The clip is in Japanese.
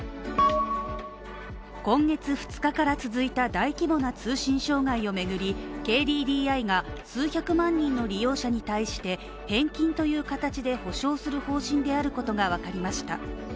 今月２日から続いた大規模な通信障害を巡り、ＫＤＤＩが数百万人の利用者に対して返金という形で補償する方針であることが分かりました。